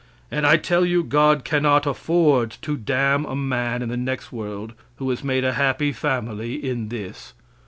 And I tell you God cannot afford to damn a man in the next world who has made a happy family in this.